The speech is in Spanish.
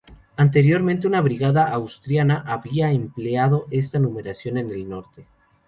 Anteriormente una brigada asturiana había empleado esta numeración en el norte.